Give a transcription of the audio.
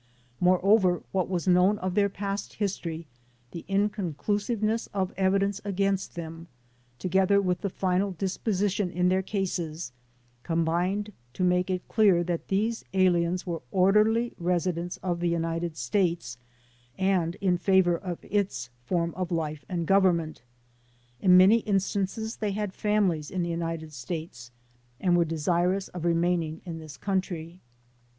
Moreover, what was known of their past history, the inconclusiveness of evidence against them, together with the final disposition in their cases, combined to make it clear that these aliens CONNECTED WITH PROSCRIBED ORGANIZATIONS 53 were orderly residents of the United States and in favor of its form of life and government. In many instances they had families in the United States and were desirous of remaining in this country.